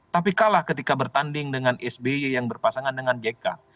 tapi kalah ketika bertanding dengan sby yang berpasangan dengan jk